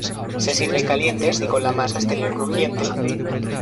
Se sirven calientes y con la masa exterior crujiente.